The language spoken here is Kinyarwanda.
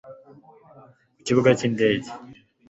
ku kibuga cy indege